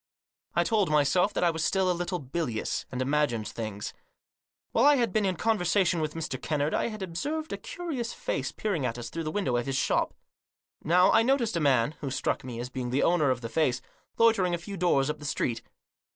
I told my self that I was still a little bilious, and imagined things. While I had been in conversation with Mr. Kennard I had observed a curious face peering at us through the window of his shop. Now I noticed a man, who struck me as being the owner of the face, loitering a few doors up the street.